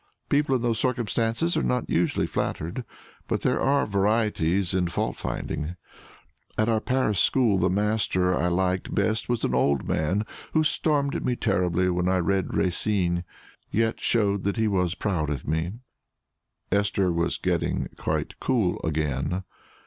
People in those circumstances are not usually flattered. But there are varieties in fault finding. At our Paris school the master I liked best was an old man who stormed at me terribly when I read Racine, but yet showed that he was proud of me." Esther was getting quite cool again.